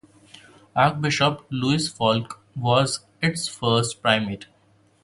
Archbishop Louis Falk was its first primate.